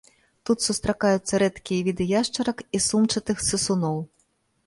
Тут сустракаюцца рэдкія віды яшчарак і сумчатых сысуноў.